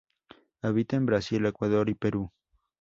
Habita en Brasil, Ecuador y Perú.